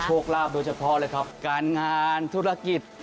โชคลาภโดยเฉพาะเลยครับการงานธุรกิจ